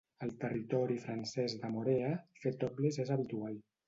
Al territori francès de Moorea, fer topless és habitual.